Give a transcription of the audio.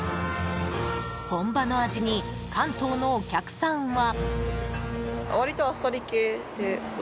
本場の味に、関東のお客さんは。